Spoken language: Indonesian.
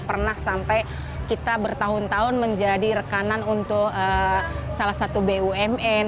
pernah sampai kita bertahun tahun menjadi rekanan untuk salah satu bumn